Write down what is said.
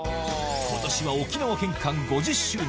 今年は沖縄返還５０周年